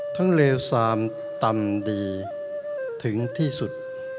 ทั้งเลวซามตำดีถึงที่สุด